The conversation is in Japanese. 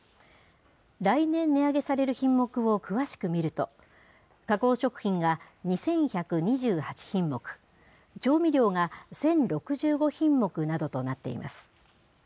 来年値上げされる品目を詳しく見ると、加工食品が２１２８品目、調味料が１０６５品目などとなっています。